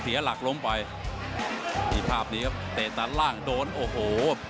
เสียหลักล้มไปนี่ภาพนี้ครับเตะตัดล่างโดนโอ้โห